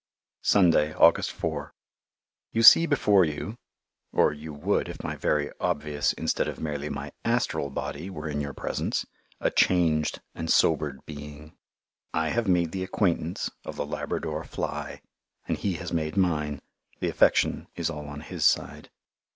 Sunday, August 4 You see before you, or you would if my very obvious instead of merely my astral body were in your presence, a changed and sobered being. I have made the acquaintance of the Labrador fly, and he has made mine. The affection is all on his side.